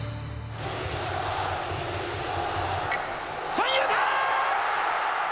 三遊間！